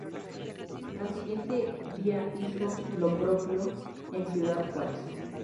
Al siguiente día hizo lo propio en Ciudad Juárez.